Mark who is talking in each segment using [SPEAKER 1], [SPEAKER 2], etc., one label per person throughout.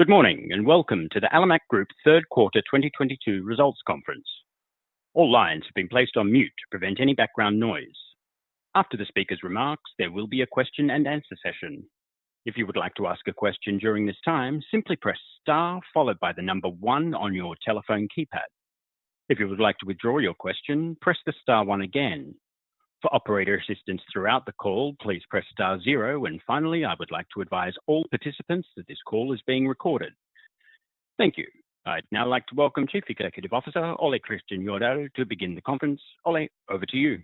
[SPEAKER 1] Good morning, and welcome to the Alimak Group Q3 2022 results conference. All lines have been placed on mute to prevent any background noise. After the speaker's remarks, there will be a question and answer session. If you would like to ask a question during this time, simply press Star followed by the number one on your telephone keypad. If you would like to withdraw your question, press the star one again. For operator assistance throughout the call, please press star zero. Finally, I would like to advise all participants that this call is being recorded. Thank you. I'd now like to welcome Chief Executive Officer, Ole Kristian Jødahl, to begin the conference. Ole, over to you.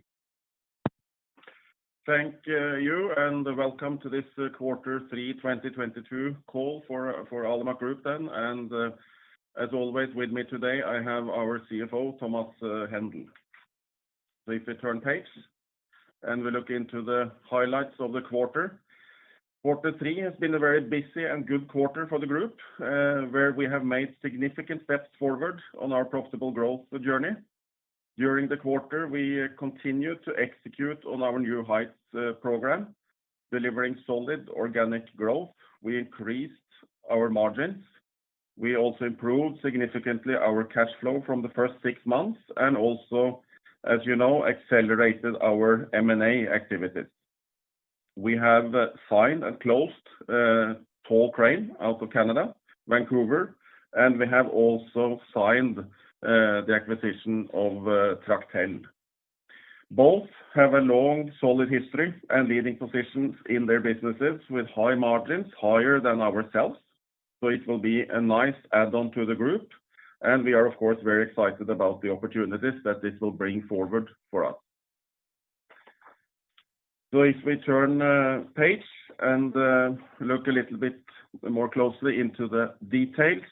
[SPEAKER 2] Thank you, welcome to this Q3 2022 call for Alimak Group then. As always, with me today I have our CFO, Thomas Hendel. If we turn page and we look into the highlights of the quarter. Q3 has been a very busy and good quarter for the group, where we have made significant steps forward on our profitable growth journey. During the quarter, we continued to execute on our New Heights program, delivering solid organic growth. We increased our margins. We also improved significantly our cash flow from the first six months, and also, as you know, accelerated our M&A activities. We have signed and closed Tall Crane Equipment out of Canada, Vancouver, and we have also signed the acquisition of Tractel. Both have a long, solid history and leading positions in their businesses with high margins, higher than ourselves. It will be a nice add-on to the group, and we are of course, very excited about the opportunities that this will bring forward for us. If we turn page and look a little bit more closely into the details,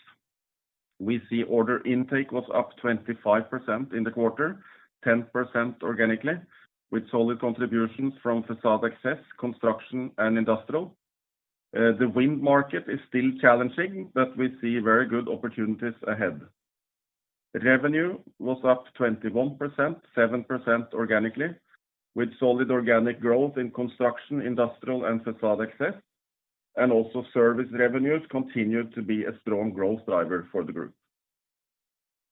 [SPEAKER 2] we see order intake was up 25% in the quarter. 10% organically with solid contributions from Facade Access, Construction and Industrial. The wind market is still challenging, but we see very good opportunities ahead. Revenue was up 21%, 7% organically, with solid organic growth in Construction, Industrial and Facade Access. Also service revenues continued to be a strong growth driver for the group.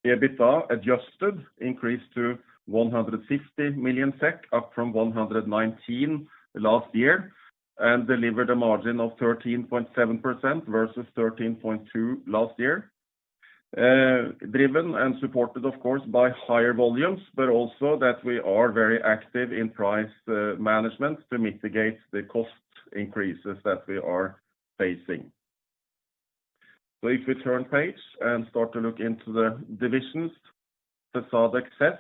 [SPEAKER 2] EBITDA adjusted increased to 150 million SEK, up from 119 million last year, and delivered a margin of 13.7% versus 13.2% last year. Driven and supported, of course, by higher volumes, but also that we are very active in price management to mitigate the cost increases that we are facing. If we turn page and start to look into the divisions. Facade Access,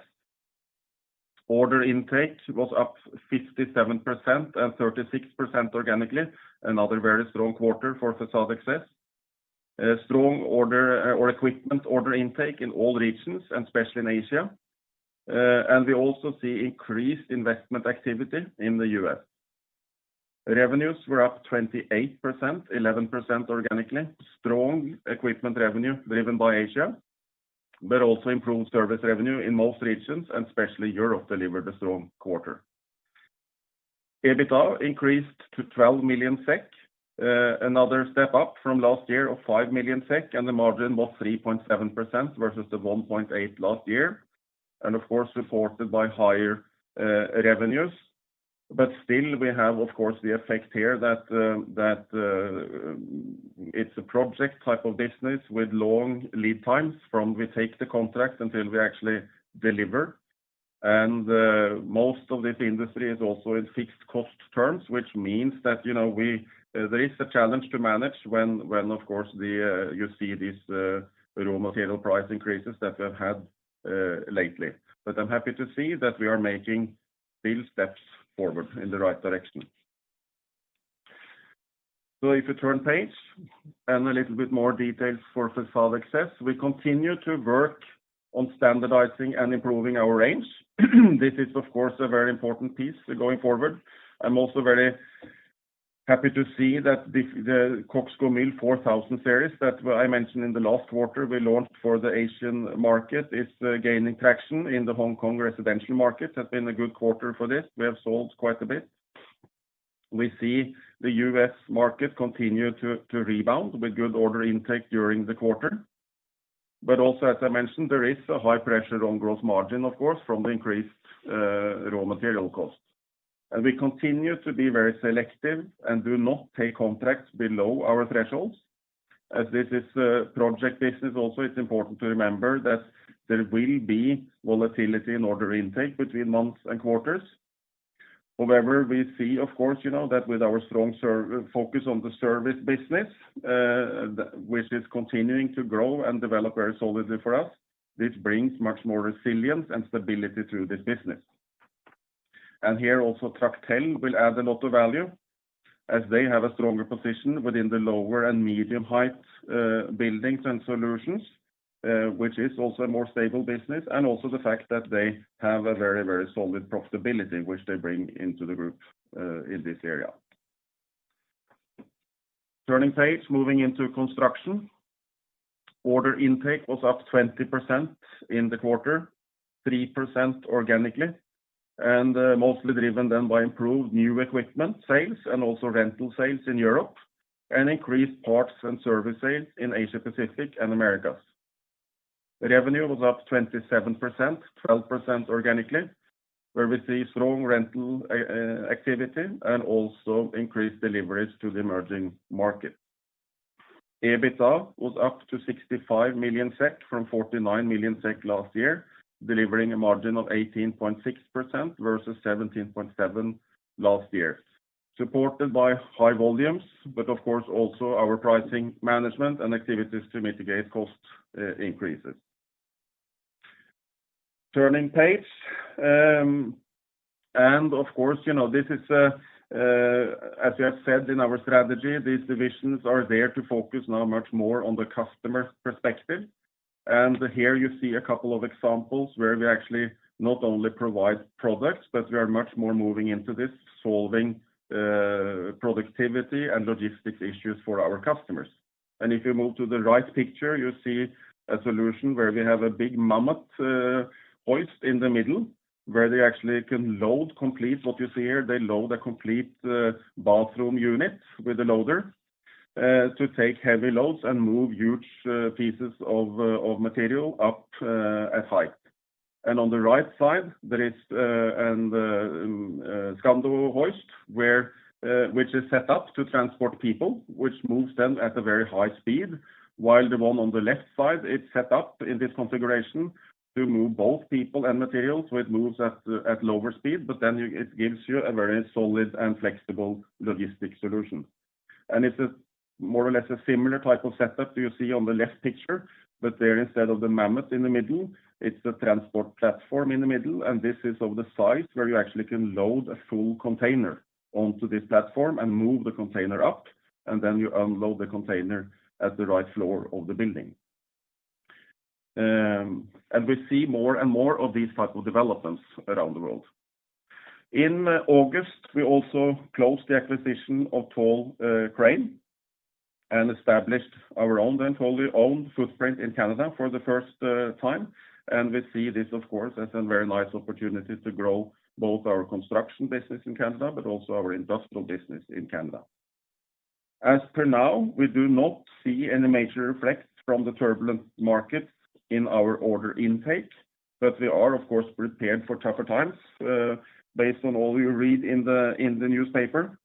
[SPEAKER 2] order intake was up 57% and 36% organically. Another very strong quarter for Facade Access. Strong equipment order intake in all regions and especially in Asia. We also see increased investment activity in the US. Revenues were up 28%, 11% organically. Strong equipment revenue driven by Asia, but also improved service revenue in most regions and especially Europe delivered a strong quarter. EBITDA increased to 12 million SEK, another step up from last year of 5 million SEK, and the margin was 3.7% versus the 1.8% last year. Of course, supported by higher revenues. Still we have, of course, the effect here that that it's a project type of business with long lead times from we take the contract until we actually deliver. Most of this industry is also in fixed cost terms, which means that, you know, there is a challenge to manage when, of course, the you see these raw material price increases that we've had lately. I'm happy to see that we are making real steps forward in the right direction. If you turn page and a little bit more details for Facade Access. We continue to work on standardizing and improving our range. This is of course a very important piece going forward. I'm also very happy to see that the CoxGomyl 4000 series that I mentioned in the last quarter we launched for the Asian market is gaining traction in the Hong Kong residential markets. That's been a good quarter for this. We have sold quite a bit. We see the US market continue to rebound with good order intake during the quarter. Also as I mentioned, there is a high pressure on gross margin of course from the increased raw material costs. We continue to be very selective and do not take contracts below our thresholds. As this is project business also, it's important to remember that there will be volatility in order intake between months and quarters. However, we see, of course, you know that with our strong focus on the service business, which is continuing to grow and develop very solidly for us, this brings much more resilience and stability through this business. Here also Tractel will add a lot of value as they have a stronger position within the lower and medium height buildings and solutions, which is also a more stable business, and also the fact that they have a very, very solid profitability, which they bring into the group in this area. Turning page, moving into construction. Order intake was up 20% in the quarter, 3% organically, and mostly driven then by improved new equipment sales and also rental sales in Europe and increased parts and service sales in Asia-Pacific and Americas. The revenue was up 27%, 12% organically, where we see strong rental activity and also increased deliveries to the emerging markets. EBITDA was up to 65 million SEK from 49 million SEK last year, delivering a margin of 18.6% versus 17.7% last year, supported by high volumes, but of course, also our pricing management and activities to mitigate cost increases. Turning page. Of course, you know, this is, as we have said in our strategy, these divisions are there to focus now much more on the customer's perspective. Here you see a couple of examples where we actually not only provide products, but we are much more moving into this solving productivity and logistics issues for our customers. If you move to the right picture, you see a solution where we have a big Mammoth hoist in the middle, where they actually can load complete what you see here. They load a complete bathroom unit with a loader to take heavy loads and move huge pieces of material up a height. On the right side, there is a Scando hoist which is set up to transport people, which moves them at a very high speed. While the one on the left side, it's set up in this configuration to move both people and materials, so it moves at lower speed, but it gives you a very solid and flexible logistic solution. It's a more or less a similar type of setup you see on the left picture, but there, instead of the Mammoth in the middle, it's a transport platform in the middle. This is of the size where you actually can load a full container onto this platform and move the container up, and then you unload the container at the right floor of the building. We see more and more of these type of developments around the world. In August, we also closed the acquisition of Tall Crane Equipment and established our own and totally own footprint in Canada for the first time. We see this, of course, as a very nice opportunity to grow both our Construction business in Canada, but also our Industrial business in Canada. As for now, we do not see any major effect from the turbulent market in our order intake, but we are, of course, prepared for tougher times based on all you read in the newspaper.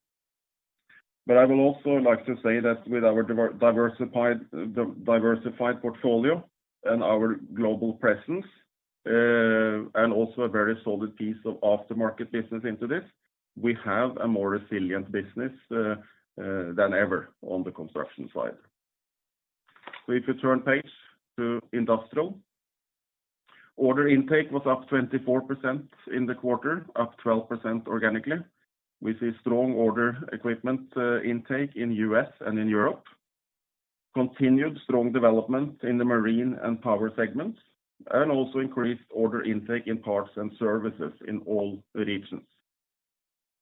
[SPEAKER 2] I will also like to say that with our diversified portfolio and our global presence, and also a very solid piece of aftermarket business into this, we have a more resilient business than ever on the Construction side. If you turn page to Industrial. Order intake was up 24% in the quarter, up 12% organically. We see strong order equipment intake in U.S. and in Europe. Continued strong development in the marine and power segments, and also increased order intake in parts and services in all the regions.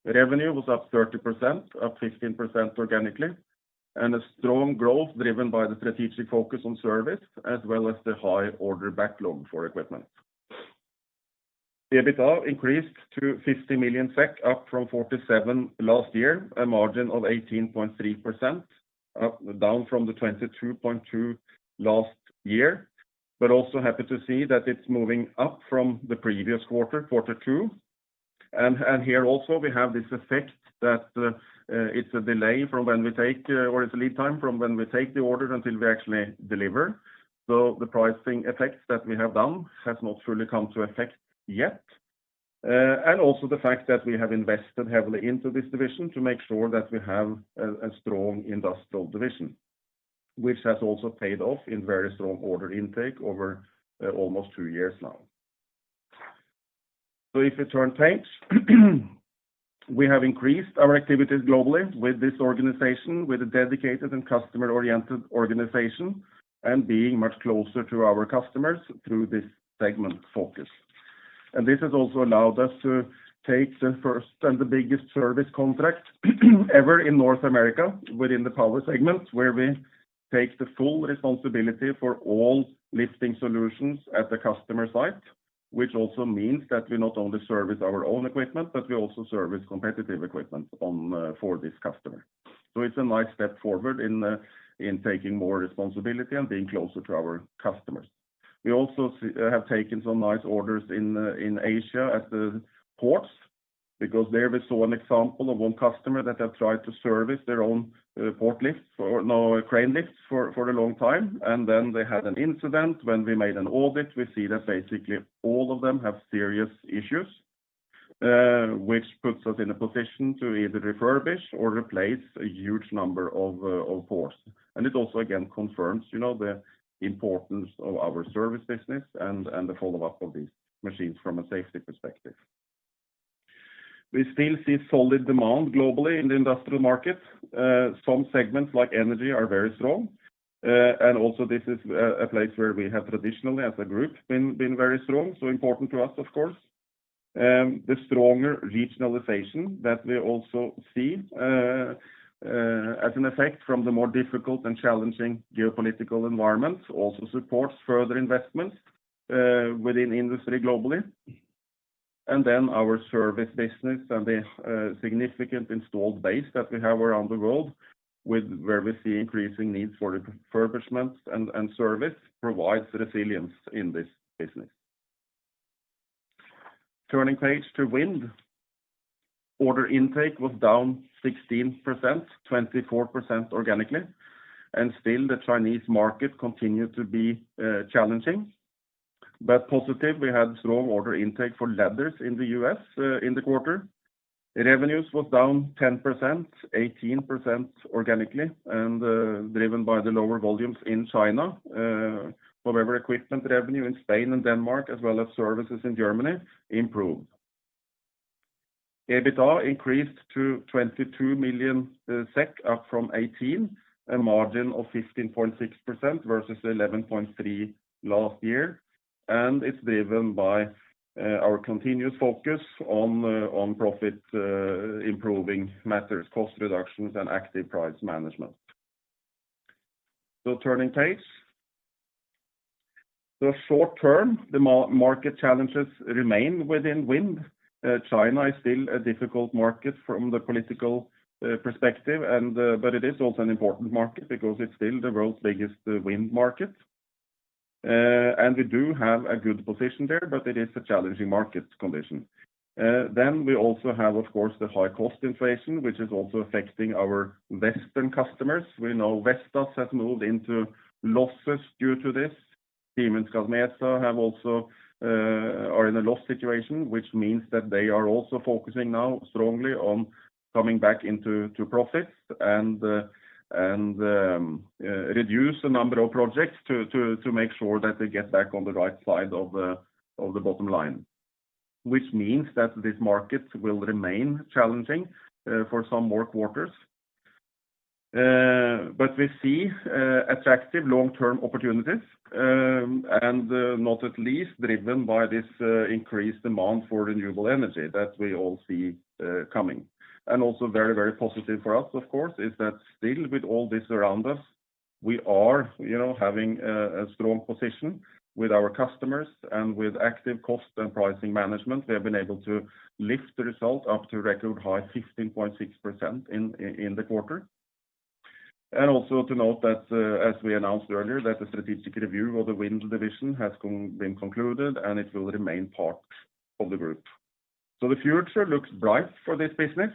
[SPEAKER 2] Revenue was up 30%, up 15% organically, and a strong growth driven by the strategic focus on service, as well as the high order backlog for equipment. EBITDA increased to 50 million SEK, up from 47 million last year, a margin of 18.3%, down from the 22.2% last year. Happy to see that it's moving up from the previous quarter two. Here also we have this effect that it's a delay from when we take or it's a lead time from when we take the order until we actually deliver. The pricing effect that we have done has not fully come to effect yet. Also, the fact that we have invested heavily into this division to make sure that we have a strong Industrial division, which has also paid off in very strong order intake over almost two years now. If you turn the page, we have increased our activities globally with this organization, with a dedicated and customer-oriented organization and being much closer to our customers through this segment focus. This has also allowed us to take the first and the biggest service contract ever in North America within the power segment, where we take the full responsibility for all lifting solutions at the customer site, which also means that we not only service our own equipment, but we also service competitive equipment on for this customer. It's a nice step forward in taking more responsibility and being closer to our customers. We also have taken some nice orders in Asia at the ports, because there we saw an example of one customer that had tried to service their own crane lifts for a long time. Then they had an incident. When we made an audit, we see that basically all of them have serious issues, which puts us in a position to either refurbish or replace a huge number of ports. It also again confirms, you know, the importance of our service business and the follow up of these machines from a safety perspective. We still see solid demand globally in the Industrial market. Some segments like energy are very strong. This is a place where we have traditionally as a group been very strong, so important to us, of course. The stronger regionalization that we also see as an effect from the more difficult and challenging geopolitical environments also supports further investments within industry globally. Then our service business and the significant installed base that we have around the world with where we see increasing needs for the refurbishments and service provides resilience in this business. Turning page to wind. Order intake was down 16%, 24% organically, and still the Chinese market continued to be challenging. Positive, we had strong order intake for ladders in the US in the quarter. The revenues was down 10%, 18% organically, and driven by the lower volumes in China. However, equipment revenue in Spain and Denmark, as well as services in Germany improved. EBITDA increased to 22 million SEK up from 18 million, a margin of 15.6% versus 11.3% last year. It's driven by our continuous focus on profit improving matters, cost reductions, and active price management. Turning page. The short term, the market challenges remain within wind. China is still a difficult market from the political perspective and, but it is also an important market because it's still the world's biggest wind market. We do have a good position there, but it is a challenging market condition. We also have, of course, the high cost inflation, which is also affecting our Western customers. We know Vestas has moved into losses due to this. Siemens Gamesa are also in a loss situation, which means that they are also focusing now strongly on coming back to profits and reduce the number of projects to make sure that they get back on the right side of the bottom line. Which means that this market will remain challenging for some more quarters. We see attractive long-term opportunities and not least driven by this increased demand for renewable energy that we all see coming. Also very, very positive for us, of course, is that still with all this around us, we are, you know, having a strong position with our customers and with active cost and pricing management, we have been able to lift the result up to record high 15.6% in the quarter. Also to note that, as we announced earlier, that the strategic review of the wind division has been concluded, and it will remain part of the group. The future looks bright for this business,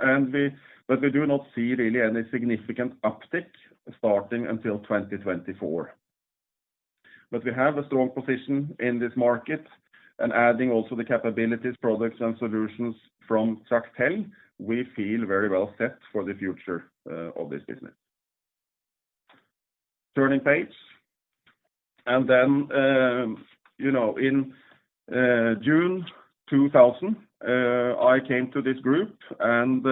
[SPEAKER 2] and we do not see really any significant uptick starting until 2024. We have a strong position in this market and adding also the capabilities, products and solutions from Tractel, we feel very well set for the future, of this business. Turning page. You know, in June 2000, I came to this group and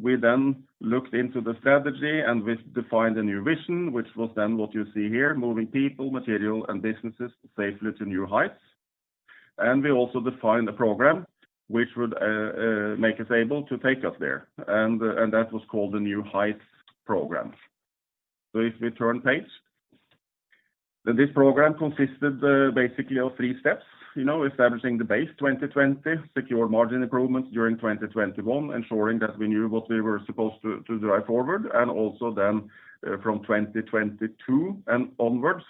[SPEAKER 2] we then looked into the strategy and we defined a new vision, which was then what you see here, moving people, material and businesses safely to new heights. We also defined a program which would make us able to take us there. That was called the New Heights program. If we turn page. This program consisted basically of three steps, you know, establishing the base 2020, secure margin improvements during 2021, ensuring that we knew what we were supposed to to drive forward. From 2022 and onwards,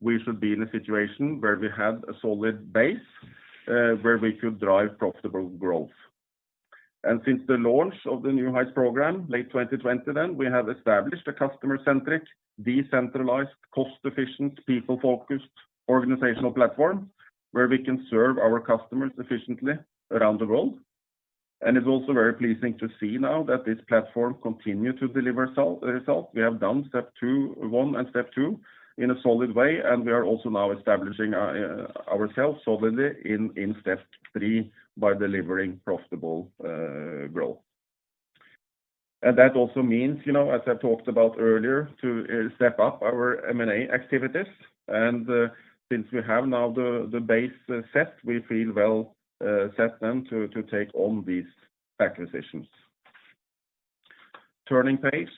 [SPEAKER 2] we should be in a situation where we had a solid base, where we could drive profitable growth. Since the launch of the New Heights program, late 2020 then, we have established a customer-centric, decentralized, cost-efficient, people-focused organizational platform where we can serve our customers efficiently around the world. It's also very pleasing to see now that this platform continue to deliver result. We have done step one and step two in a solid way, and we are also now establishing ourselves solidly in step three by delivering profitable growth. That also means, you know, as I've talked about earlier, to step up our M&A activities. Since we have now the base set, we feel well set then to take on these acquisitions. Turning page.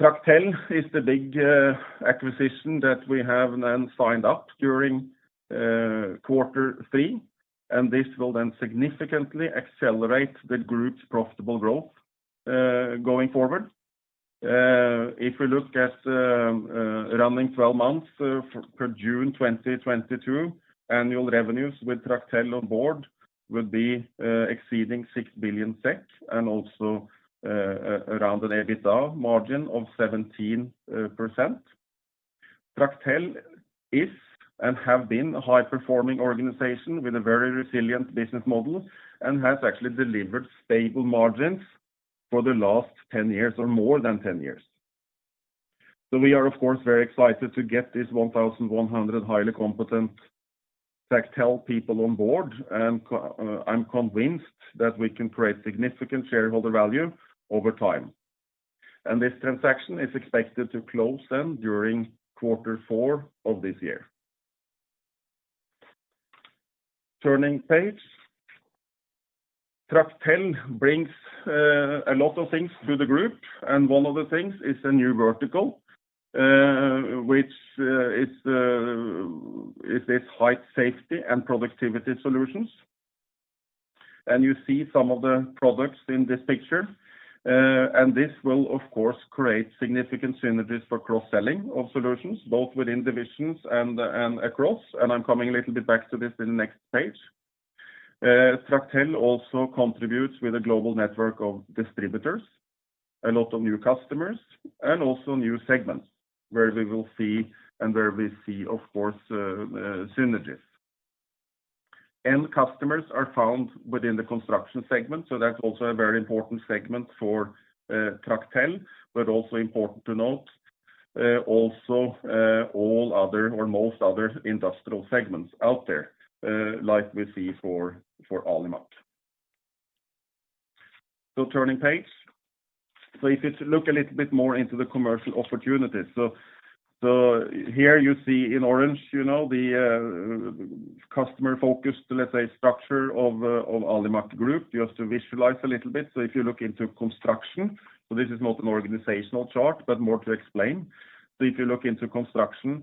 [SPEAKER 2] Tractel is the big acquisition that we have then signed up during quarter three, and this will then significantly accelerate the group's profitable growth going forward. If we look at running 12 months for June 2022, annual revenues with Tractel on board will be exceeding 6 billion SEK and also around an EBITDA margin of 17%. Tractel is and have been a high-performing organization with a very resilient business model and has actually delivered stable margins for the last 10 years or more than 10 years. We are of course very excited to get this 1,100 highly competent Tractel people on board, and I'm convinced that we can create significant shareholder value over time. This transaction is expected to close then during quarter four of this year. Turning page. Tractel brings a lot of things to the group, and one of the things is a new vertical, which is this Height Safety & Productivity Solutions. You see some of the products in this picture. This will of course create significant synergies for cross-selling of solutions, both within divisions and across. I'm coming a little bit back to this in the next page. Tractel also contributes with a global network of distributors, a lot of new customers, and also new segments where we see, of course, synergies. End customers are found within the construction segment, so that's also a very important segment for Tractel, but also important to note, also all other or most other industrial segments out there, like we see for Alimak. Turning page. If you look a little bit more into the commercial opportunities. Here you see in orange, you know, the customer focused, let's say, structure of Alimak Group, just to visualize a little bit. If you look into Construction, this is not an organizational chart, but more to explain. If you look into Construction,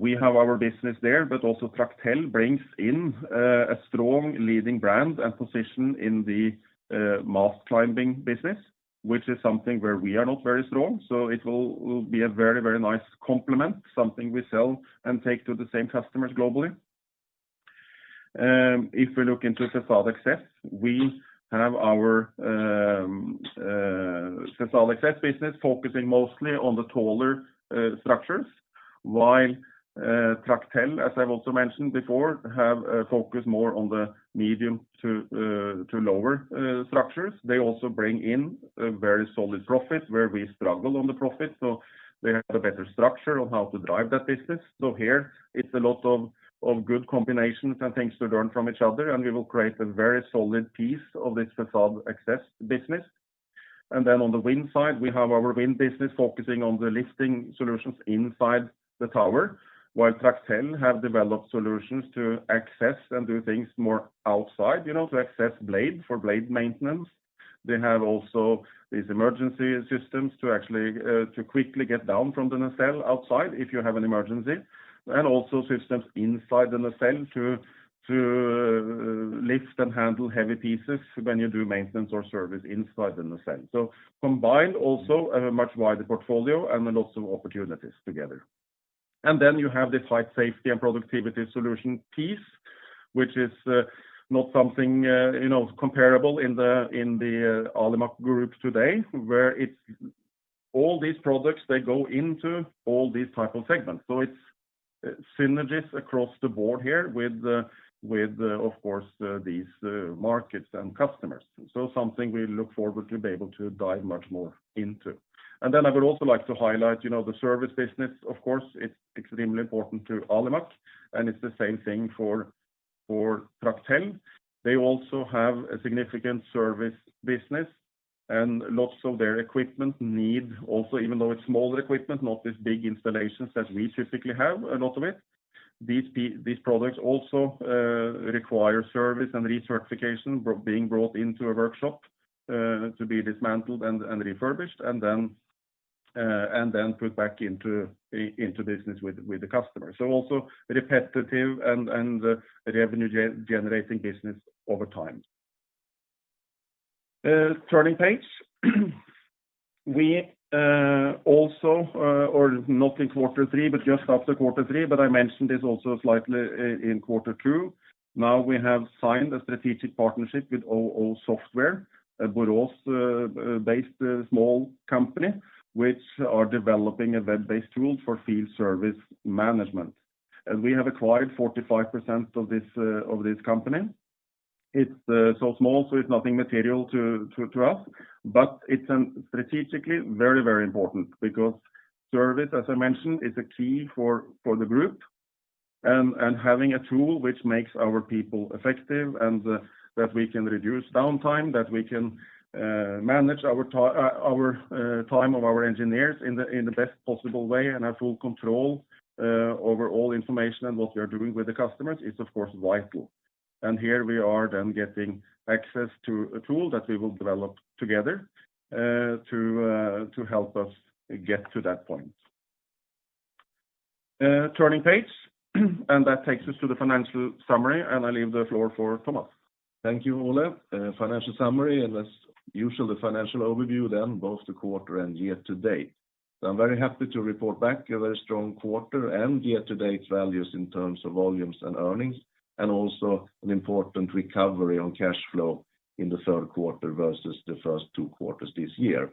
[SPEAKER 2] we have our business there, but also Tractel brings in a strong leading brand and position in the mast climbing business, which is something where we are not very strong. It will be a very, very nice complement, something we sell and take to the same customers globally. If we look into Facade Access, we have our Facade Access business focusing mostly on the taller structures, while Tractel, as I've also mentioned before, have focused more on the medium to lower structures. They also bring in a very solid profit where we struggle on the profit, so they have a better structure on how to drive that business. Here it's a lot of good combinations and things to learn from each other, and we will create a very solid piece of this Facade Access business. On the wind side, we have our wind business focusing on the lifting solutions inside the tower, while Tractel have developed solutions to access and do things more outside, you know, to access blade for blade maintenance. They have also these emergency systems to actually to quickly get down from the nacelle outside if you have an emergency, and also systems inside the nacelle to lift and handle heavy pieces when you do maintenance or service inside the nacelle. Combined also a much wider portfolio and lots of opportunities together. You have this Height Safety & Productivity Solutions piece, which is not something you know comparable in the Alimak Group today, where it's all these products, they go into all these type of segments. It's synergies across the board here with of course these markets and customers. Something we look forward to be able to dive much more into. I would also like to highlight you know the service business. Of course, it's extremely important to Alimak, and it's the same thing for Tractel. They also have a significant service business and lots of their equipment need also, even though it's smaller equipment, not these big installations that we specifically have a lot of it, these products also require service and recertification, being brought into a workshop to be dismantled and refurbished and then put back into business with the customer. So also repetitive and revenue generating business over time. Turning page. We also or not in quarter three, but just after quarter three, but I mentioned this also slightly in quarter two. Now we have signed a strategic partnership with OO Software, a Borås based small company which are developing a web-based tool for field service management. We have acquired 45% of this company. It's so small, so it's nothing material to us. But it's strategically very, very important because service, as I mentioned, is a key for the group. Having a tool which makes our people effective and that we can reduce downtime, that we can manage our time of our engineers in the best possible way and have full control over all information and what we are doing with the customers is of course vital. Here we are then getting access to a tool that we will develop together to help us get to that point. Turning page. That takes us to the financial summary, and I leave the floor for Thomas.
[SPEAKER 3] Thank you, Ole. Financial summary, as usual, the financial overview then both the quarter and year to date. I'm very happy to report back a very strong quarter and year to date values in terms of volumes and earnings, and also an important recovery on cash flow in the Q3 versus the first two quarters this year.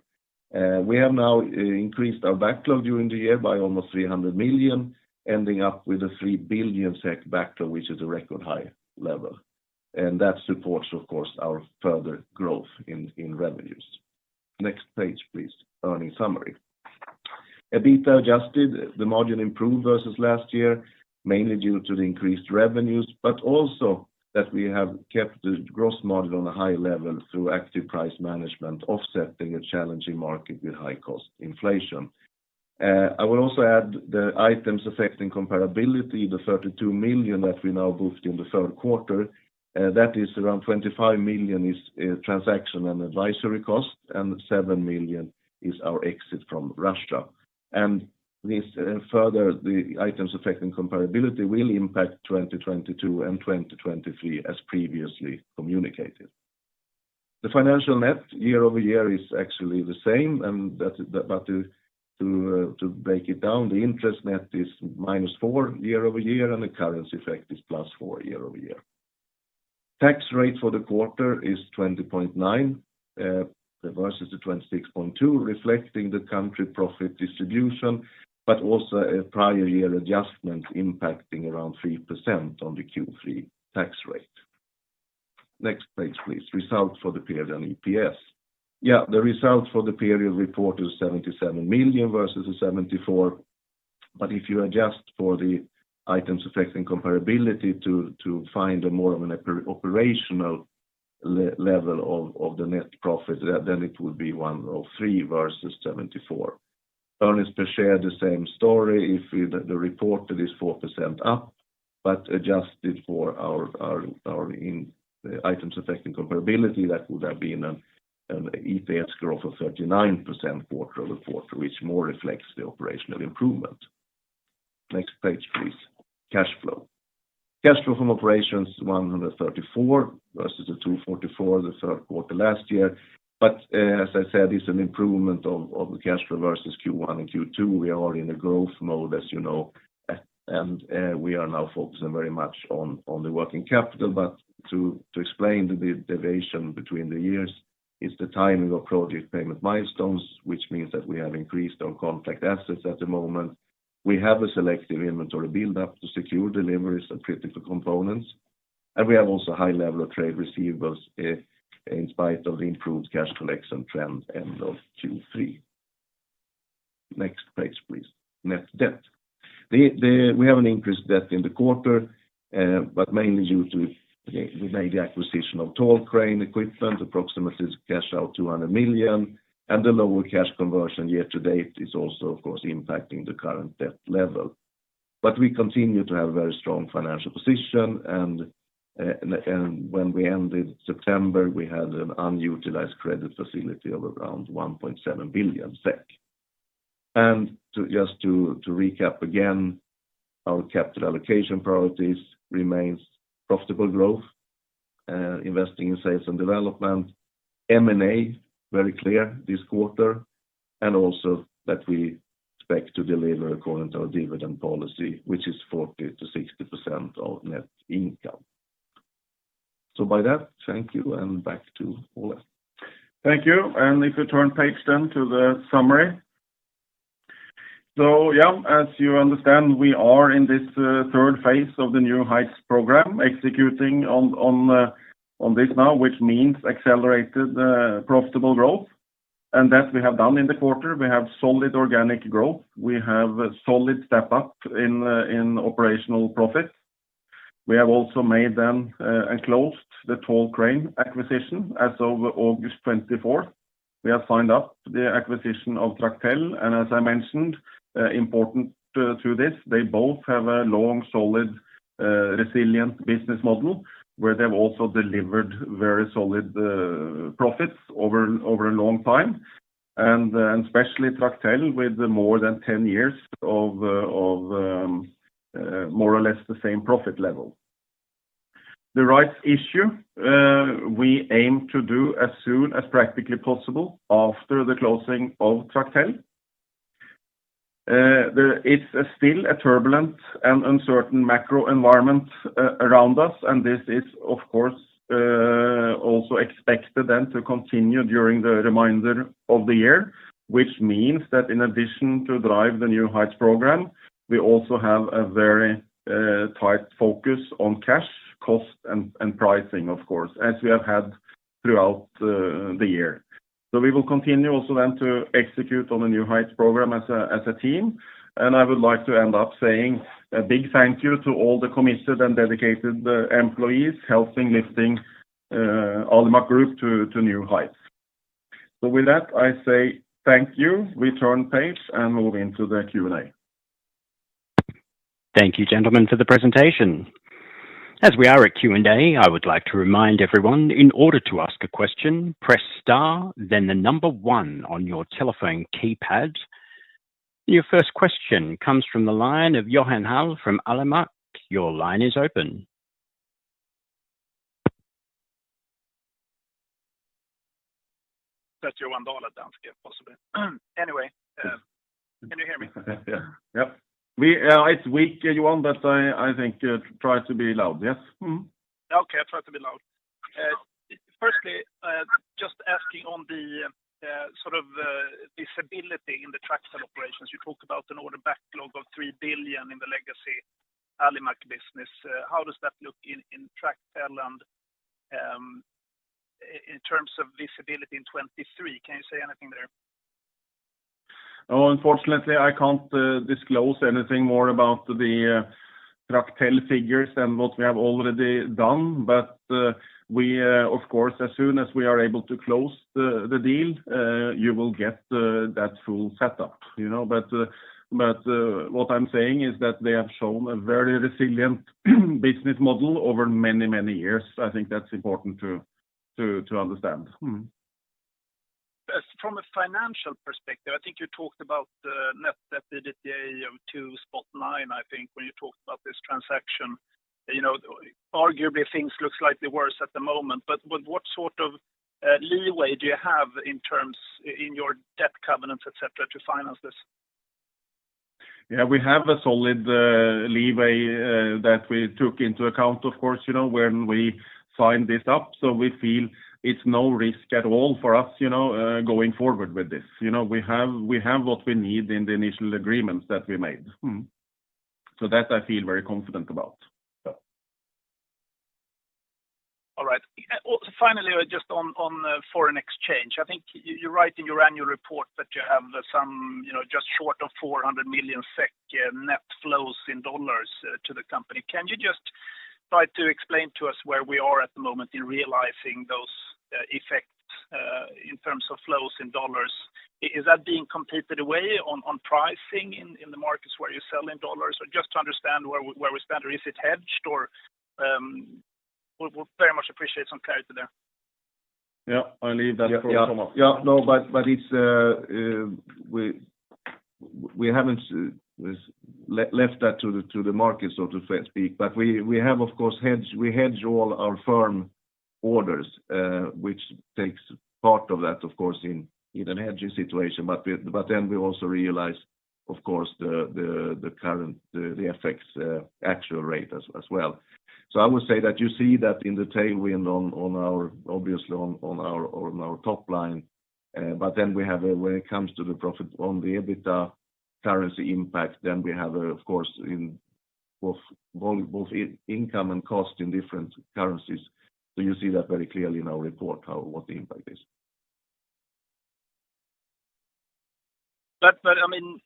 [SPEAKER 3] We have now increased our backlog during the year by almost 300 million, ending up with a 3 billion SEK backlog, which is a record high level. That supports, of course, our further growth in revenues. Next page, please. Earnings summary. EBITA adjusted. The margin improved versus last year, mainly due to the increased revenues, but also that we have kept the gross margin on a high level through active price management, offsetting a challenging market with high cost inflation. I will also add the items affecting comparability, the 32 million that we now booked in the Q3, that is around 25 million is transaction and advisory costs, and 7 million is our exit from Russia. This further, the items affecting comparability will impact 2022 and 2023 as previously communicated. The financial net year-over-year is actually the same, and that is, but to break it down, the interest net is minus 4 million year-over-year, and the currency effect is plus 4 million year-over-year. Tax rate for the quarter is 20.9% versus the 26.2%, reflecting the country profit distribution, but also a prior year adjustment impacting around 3% on the Q3 tax rate. Next page, please. Results for the period and EPS. Yeah, the results for the period reported 77 million versus the 74. If you adjust for the items affecting comparability to find a more of an operational level of the net profit, then it would be 103 versus 74. Earnings per share, the same story. The reported is 4% up, but adjusted for our items affecting comparability, that would have been an EPS growth of 39% quarter-over-quarter, which more reflects the operational improvement. Next page, please. Cash flow. Cash flow from operations 134 versus the 244 the Q3 last year. As I said, it's an improvement of the cash flow versus Q1 and Q2. We are in a growth mode, as you know, and we are now focusing very much on the working capital. To explain the deviation between the years is the timing of project payment milestones, which means that we have increased our contract assets at the moment. We have a selective inventory build-up to secure deliveries of critical components, and we have also high level of trade receivables in spite of the improved cash collection trend end of Q3. Next page, please. Net debt. We have an increased debt in the quarter, but mainly due to, you know, we made the acquisition of Tall Crane Equipment, approximately cash out 200 million, and the lower cash conversion year-to-date is also, of course, impacting the current debt level. We continue to have a very strong financial position, and when we ended September, we had an unutilized credit facility of around 1.7 billion SEK. Just to recap again, our capital allocation priorities remains profitable growth, investing in sales and development, M&A, very clear this quarter, and also that we expect to deliver according to our dividend policy, which is 40%-60% of net income. With that, thank you, and back to Ole.
[SPEAKER 2] Thank you. If you turn to page 10 to the summary. Yeah, as you understand, we are in this third phase of the New Heights program, executing on this now, which means accelerated profitable growth. That we have done in the quarter. We have solid organic growth. We have solid step up in operational profit. We have also made then and closed the Tall Crane acquisition as of August 24. We have signed the acquisition of Tractel. As I mentioned, important to this, they both have a long, solid, resilient business model, where they've also delivered very solid profits over a long time, and especially Tractel with more than 10 years of more or less the same profit level. The rights issue, we aim to do as soon as practically possible after the closing of Tractel. There is still a turbulent and uncertain macro environment around us, and this is of course also expected then to continue during the remainder of the year, which means that in addition to drive the New Heights program, we also have a very tight focus on cash, cost, and pricing, of course, as we have had throughout the year. We will continue also then to execute on the New Heights program as a team. I would like to end up saying a big thank you to all the committed and dedicated employees helping lifting Alimak Group to New Heights. With that, I say thank you. We turn page and move into the Q&A.
[SPEAKER 1] Thank you, gentlemen, for the presentation. As we are at Q&A, I would like to remind everyone, in order to ask a question, press star then the number one on your telephone keypad. Your first question comes from the line of Johan Hähnel from Alimak. Your line is open.
[SPEAKER 4] Anyway, can you hear me?
[SPEAKER 2] Yeah. Yep. We, it's weak, Johan, but I think try to be loud. Yes. Mm-hmm.
[SPEAKER 4] Okay. I try to be loud. Firstly, just asking about the sort of visibility in the Tractel operations. You talk about an order backlog of 3 billion in the legacy Alimak business. How does that look in Tractel and in terms of visibility in 2023, can you say anything there?
[SPEAKER 2] Oh, unfortunately, I can't disclose anything more about the Tractel figures than what we have already done. We, of course, as soon as we are able to close the deal, you will get that full setup, you know. What I'm saying is that they have shown a very resilient business model over many, many years. I think that's important to understand.
[SPEAKER 4] As for a financial perspective, I think you talked about net debt EBITDA of 2.9, I think, when you talked about this transaction. You know, arguably things look slightly worse at the moment, but what sort of leeway do you have in your debt covenants, et cetera, to finance this?
[SPEAKER 2] Yeah, we have a solid leeway that we took into account, of course, you know, when we signed this up. We feel it's no risk at all for us, you know, going forward with this. You know, we have what we need in the initial agreements that we made. Mm-hmm. That I feel very confident about. Yeah.
[SPEAKER 4] All right. Also finally, just on foreign exchange. I think you write in your annual report that you have some, you know, just short of 400 million SEK net flows in dollars to the company. Can you just try to explain to us where we are at the moment in realizing those effects in terms of flows in dollars? Is that being competed away on pricing in the markets where you sell in dollars? Or just to understand where we stand, or is it hedged? We'll very much appreciate some clarity there.
[SPEAKER 2] Yeah, I'll leave that for Tomas.
[SPEAKER 3] No, but we haven't left that to the market, so to speak. We have, of course, hedge all our firm orders, which takes part of that, of course, in a hedging situation. Then we also realize, of course, the FX actual rate as well. I would say that you see that in the tailwind on our top line, obviously. When it comes to the profit on the EBITDA currency impact, we have, of course, both income and cost in different currencies. You see that very clearly in our report, what the impact is.
[SPEAKER 4] I mean,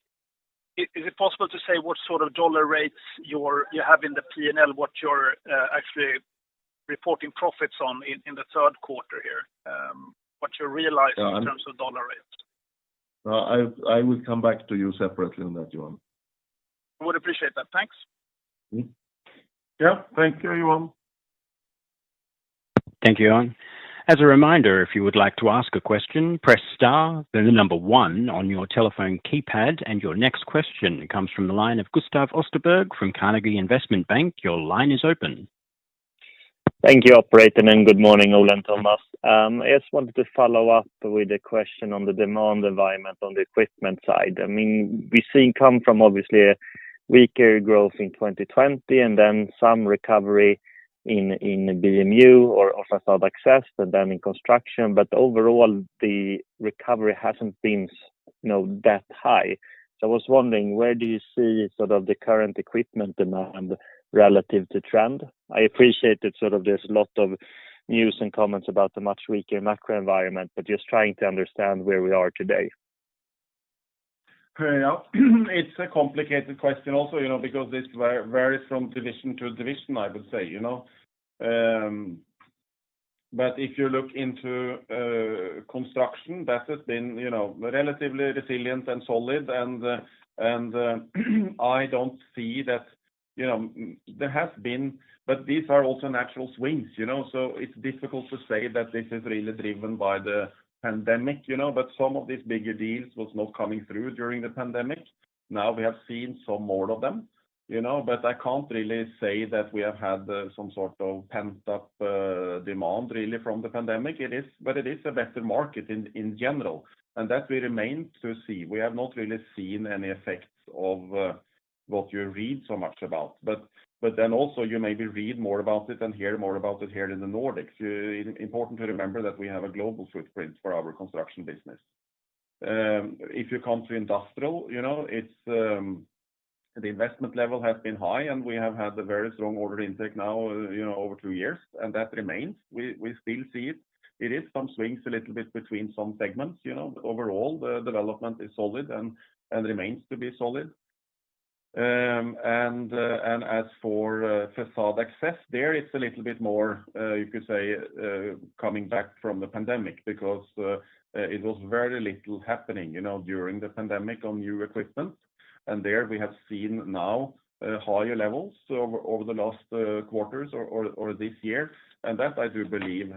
[SPEAKER 4] is it possible to say what sort of dollar rates you have in the P&L, what you're actually reporting profits on in the Q3 here? What you're realizing
[SPEAKER 3] Yeah.
[SPEAKER 4] In terms of dollar rates?
[SPEAKER 3] I will come back to you separately on that one.
[SPEAKER 4] I would appreciate that. Thanks.
[SPEAKER 3] Mm-hmm.
[SPEAKER 2] Yeah. Thank you, Johan.
[SPEAKER 1] Thank you, Johan. As a reminder, if you would like to ask a question, press star, then the number one on your telephone keypad. Your next question comes from the line of Gustav Österberg from Carnegie Investment Bank. Your line is open.
[SPEAKER 5] Thank you, operator, and good morning, Ola and Tomas. I just wanted to follow up with a question on the demand environment on the equipment side. I mean, we've seen coming from obviously a weaker growth in 2020 and then some recovery in BMU or also Facade Access, but then in Construction. Overall, the recovery hasn't been that high. I was wondering, where do you see sort of the current equipment demand relative to trend? I appreciate that sort of there's a lot of news and comments about the much weaker macro environment, but just trying to understand where we are today.
[SPEAKER 2] Yeah. It's a complicated question also, you know, because this varies from division to division, I would say, you know. If you look into Construction, that has been, you know, relatively resilient and solid. I don't see that, you know, there has been. These are also natural swings, you know, so it's difficult to say that this is really driven by the pandemic, you know. Some of these bigger deals was not coming through during the pandemic. Now we have seen some more of them, you know, but I can't really say that we have had some sort of pent-up demand really from the pandemic. It is a better market in general, and that will remain to see. We have not really seen any effects of what you read so much about. You maybe read more about it and hear more about it here in the Nordics. Important to remember that we have a global footprint for our Construction business. If you come to Industrial, you know, it's the investment level has been high, and we have had a very strong order intake now, you know, over two years, and that remains. We still see it. It is some swings a little bit between some segments, you know. Overall, the development is solid and remains to be solid. As for Facade Access, there it's a little bit more, you could say, coming back from the pandemic because it was very little happening, you know, during the pandemic on new equipment. There we have seen now higher levels over the last quarters or this year. That I do believe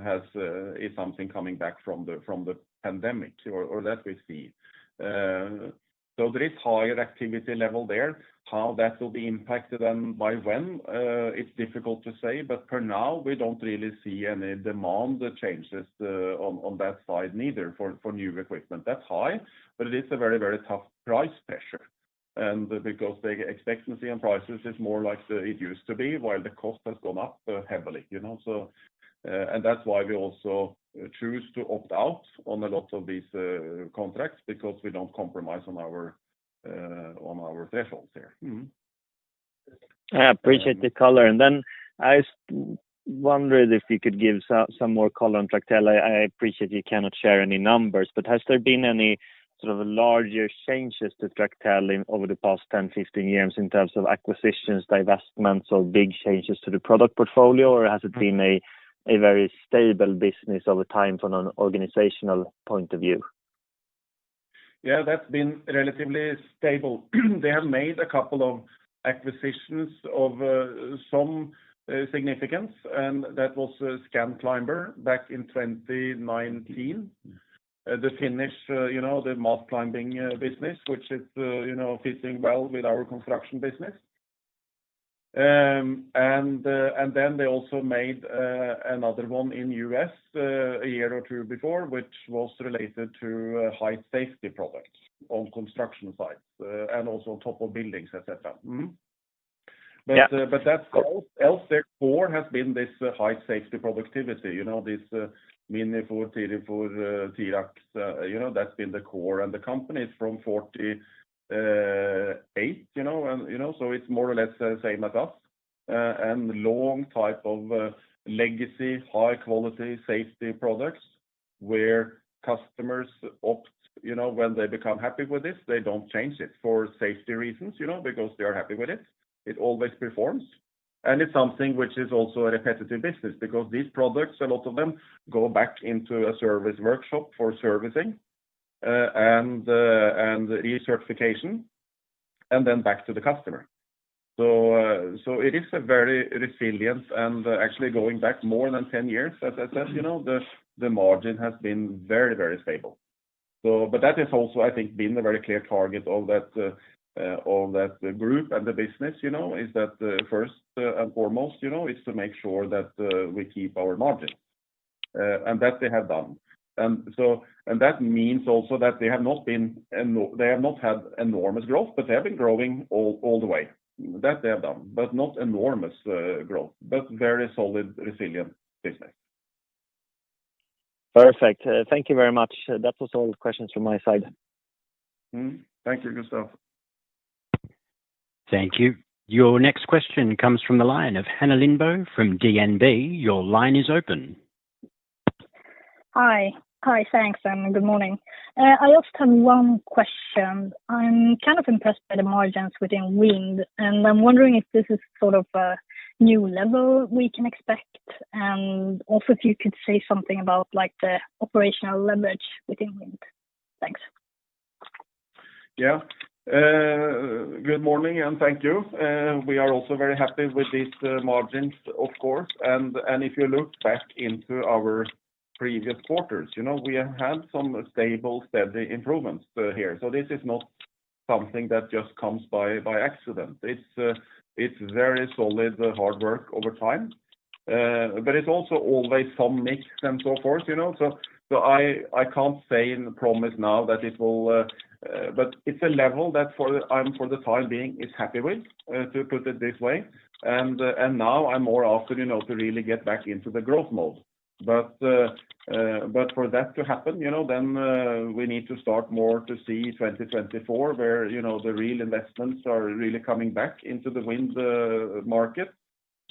[SPEAKER 2] is something coming back from the pandemic or that we see. There is higher activity level there. How that will be impacted and by when it's difficult to say. For now, we don't really see any demand changes on that side neither for new equipment. That's high, but it is a very, very tough price pressure. Because the expectations on prices is more like it used to be, while the cost has gone up heavily, you know. That's why we also choose to opt out on a lot of these contracts, because we don't compromise on our thresholds there. Mm-hmm.
[SPEAKER 5] I appreciate the color. Then I just wondered if you could give some more color on Tractel. I appreciate you cannot share any numbers, but has there been any sort of larger changes to Tractel in, over the past 10, 15 years in terms of acquisitions, divestments, or big changes to the product portfolio? Or has it been a very stable business over time from an organizational point of view?
[SPEAKER 2] Yeah, that's been relatively stable. They have made a couple of acquisitions of some significance, and that was Scanclimber back in 2019. The Finnish, you know, the mast climbing business, which is, you know, fitting well with our construction business. They also made another one in U.S., a year or two before, which was related to height safety products on construction sites, and also on top of buildings, et cetera. Mm-hmm.
[SPEAKER 5] Yeah.
[SPEAKER 2] Their core has been this Height Safety & Productivity. You know, this Minifor, Tirfor, Tralift, you know, that's been the core. The company is from 1948, you know, and you know, so it's more or less the same as us and longstanding legacy high quality safety products where customers adopt. You know, when they become happy with this, they don't change it for safety reasons, you know, because they are happy with it. It always performs. It's something which is also a repetitive business because these products, a lot of them go back into a service workshop for servicing and recertification and then back to the customer. It is a very resilient and actually going back more than 10 years, as I said, you know, the margin has been very stable. That has also, I think, been a very clear target of that group and the business, you know, is that first and foremost, you know, is to make sure that we keep our margin and that they have done. That means also that they have not had enormous growth, but they have been growing all the way. That they have done, but not enormous growth, but very solid, resilient business.
[SPEAKER 5] Perfect. Thank you very much. That was all the questions from my side.
[SPEAKER 2] Mm-hmm. Thank you, Gustav.
[SPEAKER 1] Thank you. Your next question comes from the line of Hanna Lindblom from DNB. Your line is open.
[SPEAKER 6] Hi. Hi, thanks, and good morning. I also have one question. I'm kind of impressed by the margins within wind, and I'm wondering if this is sort of a new level we can expect, and also if you could say something about like the operational leverage within wind. Thanks.
[SPEAKER 2] Yeah. Good morning, and thank you. We are also very happy with these margins, of course. If you look back into our previous quarters, you know, we have had some stable, steady improvements here. This is not something that just comes by accident. It's very solid hard work over time, but it's also always some mix and so forth, you know? I can't say and promise now that it will. But it's a level that I'm for the time being happy with, to put it this way. Now I'm more often, you know, to really get back into the growth mode. For that to happen, you know, then we need to start more to see 2024, where, you know, the real investments are really coming back into the wind market.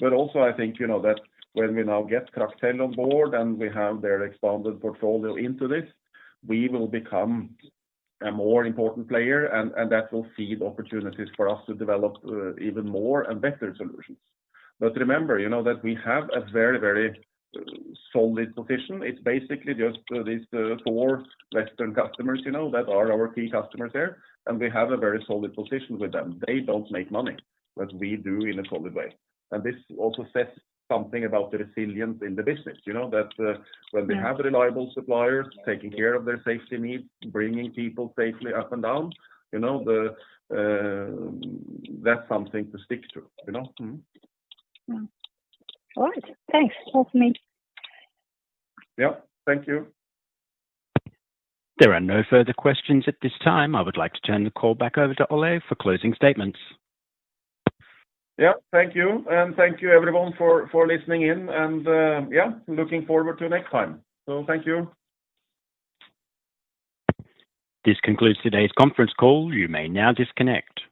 [SPEAKER 2] Also I think, you know, that when we now get Tractel on board and we have their expanded portfolio into this, we will become a more important player and that will feed opportunities for us to develop even more and better solutions. Remember, you know, that we have a very, very solid position. It's basically just these four Western customers, you know, that are our key customers there, and we have a very solid position with them. They don't make money, but we do in a solid way. This also says something about the resilience in the business, you know, that, when they have reliable suppliers taking care of their safety needs, bringing people safely up and down, you know, the, that's something to stick to, you know. Mm-hmm.
[SPEAKER 6] All right. Thanks. That's me.
[SPEAKER 2] Yeah. Thank you.
[SPEAKER 1] There are no further questions at this time. I would like to turn the call back over to Ole for closing statements.
[SPEAKER 2] Yeah. Thank you. Thank you everyone for listening in and, yeah, looking forward to next time. Thank you.
[SPEAKER 1] This concludes today's conference call. You may now disconnect.